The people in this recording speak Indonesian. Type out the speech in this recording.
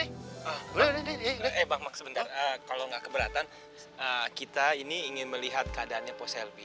eh bang mak sebentar kalau nggak keberatan kita ini ingin melihat keadaannya pos selfie